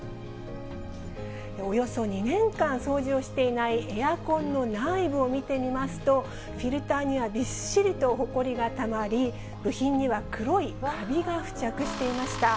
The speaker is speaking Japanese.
およそ２年間、掃除をしていないエアコンの内部を見てみますと、フィルターにはびっしりとほこりがたまり、部品には黒いカビが付着していました。